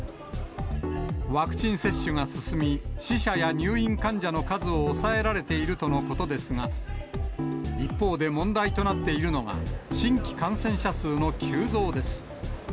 ワクチン接種が進み、死者や入院患者の数を抑えられているとのことですが、一方で問題となっているのが、新規感染者数の急増です。